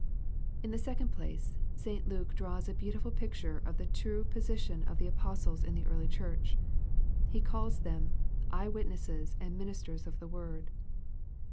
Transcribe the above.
In the second place, St. Luke draws a beautiful picture of the trvs position of the apostles in the early church. He calls them, " eye witnesses and ministers of the word."